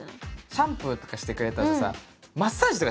シャンプーとかしてくれたりさマッサージとかしてくれない？